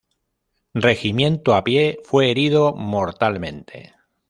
Regimiento a pie fue herido mortalmente.